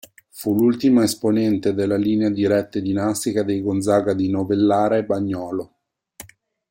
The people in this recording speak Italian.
Fu l'ultima esponente della linea diretta e dinastica dei Gonzaga di Novellara e Bagnolo.